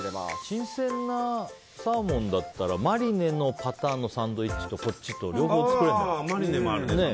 新鮮なサーモンだったらマリネのパターンのサンドイッチとこっちと両方作れるね。